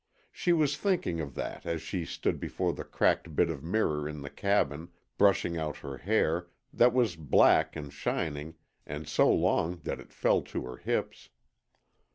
She was thinking of that as she stood before the cracked bit of mirror in the cabin, brushing out her hair, that was black and shining and so long that it fell to her hips.